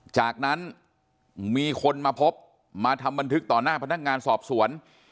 จากนั้นมีคนมาพบมาทำบันทึกต่อหน้าพนักงานสอบสวน